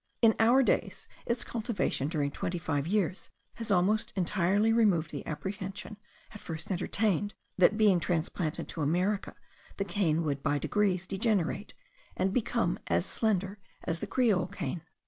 In our days its cultivation during twenty five years has almost entirely removed the apprehension at first entertained, that being transplanted to America, the cane would by degrees degenerate, and become as slender as the creole cane.